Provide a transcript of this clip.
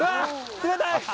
冷たい！